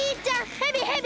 ヘビヘビ！